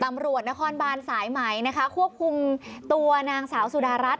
ตำรวจนครบานสายไหมนะคะควบคุมตัวนางสาวสุดารัฐ